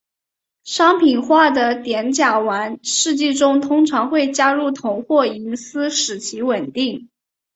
商品化的碘甲烷试剂中通常会加入铜或银丝使其稳定。